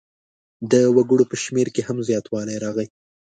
د وګړو په شمېر کې هم زیاتوالی راغی.